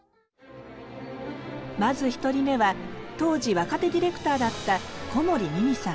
まず１人目は当時若手ディレクターだった小森美巳さん。